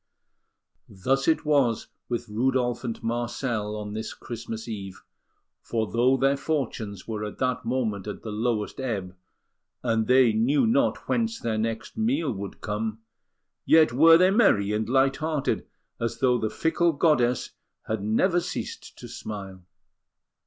Thus it was with Rudolf and Marcel on this Christmas Eve; for though their fortunes were at that moment at the lowest ebb, and they knew not whence their next meal would come, yet were they merry and light hearted, as though the fickle goddess had never ceased to smile.